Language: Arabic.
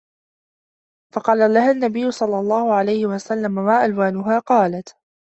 فَقَالَ لَهَا النَّبِيُّ صَلَّى اللَّهُ عَلَيْهِ وَسَلَّمَ مَا أَلْوَانُهَا ؟ قَالَتْ